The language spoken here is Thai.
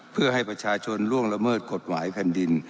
เพื่อให้ประชาชนล่วงละเมิดกฎหมายแผ่นดิน